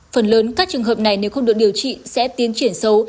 phần lớn các trường hợp này nếu không được điều trị sẽ tiến triển xấu